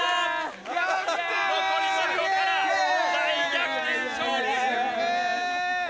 残り３秒から大逆転勝利！